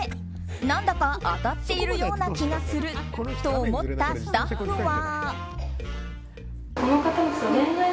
何だか当たっているような気がすると思ったスタッフは。